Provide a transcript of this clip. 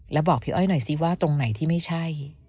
แล้วบอกพี่อ้อยหน่อยซิว่าตรงไหนที่ไม่ใช่